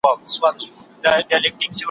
مړ مي که، خو پړ مي مه که.